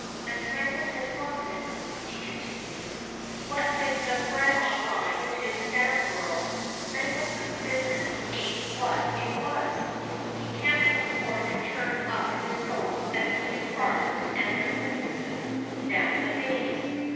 And Smaggleton wants it," he continues, "what with the branch line to Stamborough, Smaggleton's business ain't what it was; he can't afford to turn up his nose at a few farmers and their missusses now a days.